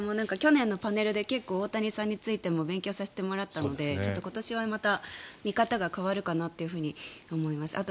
去年のパネルで結構大谷さんについて勉強させてもらったので今年はまた見方が変わるかなと思います。